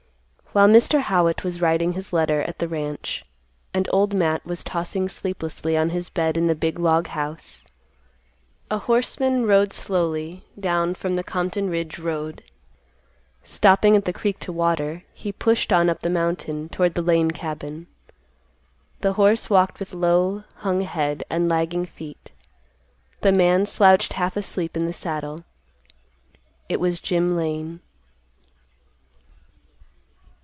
While Mr. Howitt was writing his letter at the ranch, and Old Matt was tossing sleeplessly on his bed in the big log house, a horseman rode slowly down from the Compton Ridge road. Stopping at the creek to water, he pushed on up the mountain toward the Lane cabin. The horse walked with low hung head and lagging feet; the man slouched half asleep in the saddle. It was Jim Lane.